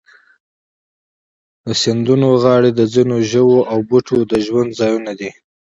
د سیندونو غاړې د ځینو ژوو او بوټو د ژوند ځایونه دي.